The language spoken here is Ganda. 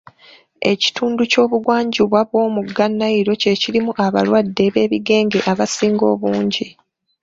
Ekitundu ky'obugwanjuba bw'omugga Nile ky'ekirimu abalwadde b'ebigenge abasinga obungi.